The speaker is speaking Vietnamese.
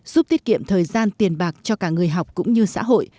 giúp tiết kiệm thời gian tiền bạc cho cả người học cũng như xã hội